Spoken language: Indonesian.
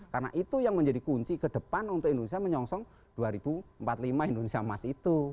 karena itu yang menjadi kunci kedepan untuk indonesia menyongsong dua ribu empat puluh lima indonesia emas itu